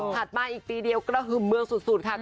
ถัดมาอีกปีเดียวก็คือเมืองสุดค่ะ